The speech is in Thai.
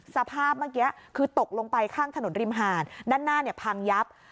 สภาพเมื่อกี้คือตกลงไปข้างถนนริมหาดด้านหน้าเนี่ยพังยับ